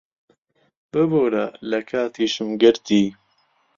ببوورە، لە کاتیشم گرتی.